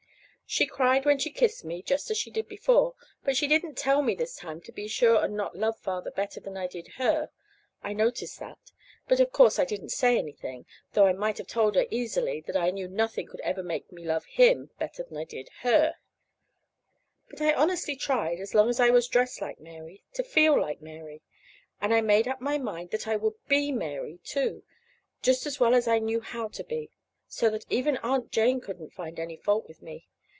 She cried when she kissed me just as she did before; but she didn't tell me this time to be sure and not love Father better than I did her. I noticed that. But, of course, I didn't say anything, though I might have told her easily that I knew nothing could ever make me love him better than I did her. But I honestly tried, as long as I was dressed like Mary, to feel like Mary; and I made up my mind that I would be Mary, too, just as well as I knew how to be, so that even Aunt Jane couldn't find any fault with me.